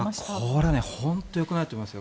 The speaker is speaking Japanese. これね本当によくないと思います。